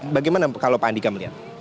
bagaimana kalau pak andika melihat